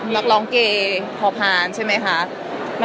นักร้องเกย์พพ